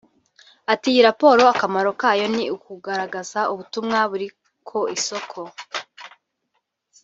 Ati “Iyi raporo akamaro kayo ni ukugaragaza ubutumwa buri ku isoko